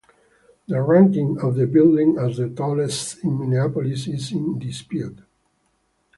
The ranking of the building as the tallest in Minneapolis is in dispute.